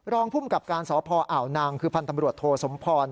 รองภูมิกับการสพอ่าวนางคือพันธ์ตำรวจโทสมพร